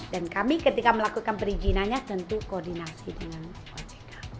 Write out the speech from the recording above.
dan kami ketika melakukan perizinannya tentu koordinasi dengan ojk